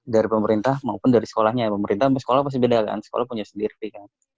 dari pemerintah maupun dari sekolahnya pemerintah sekolah pasti beda kan sekolah punya sendiri kan